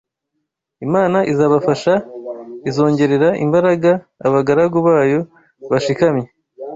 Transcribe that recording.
Imana izabafasha; Izongerera imbaraga abagaragu bayo bashikamye